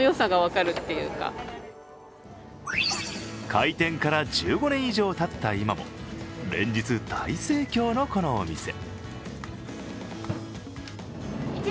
開店から１５年以上たった今も連日大盛況のこのお店。